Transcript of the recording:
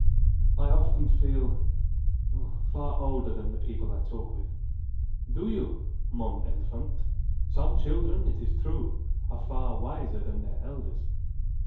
"I often feel, oh far older than the people I talk with." "Do you, mon enfant. Some children, it is true, are far wiser than their elders.